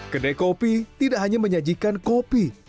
kedai kopi tidak hanya menyajikan kopi